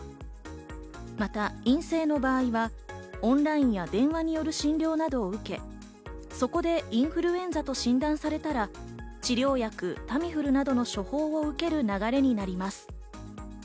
また陰性の場合はオンラインや電話による診療などを受け、そこでインフルエンザと診断されたら、治療薬・タミフルなどの処方を受ける流れになります。